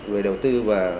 về đầu tư và